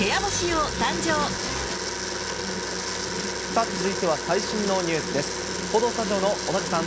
さあ、続いては最新のニュースです。